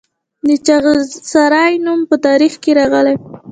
د چغسرای نوم په تاریخ کې راغلی